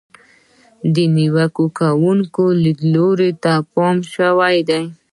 د نیوکه کوونکو لیدلورو ته پام شوی دی.